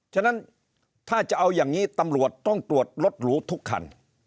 ฉะนั้นถ้าจะเอาอย่างนี้ตำรวจต้องตรวจรถหรูทุกคัน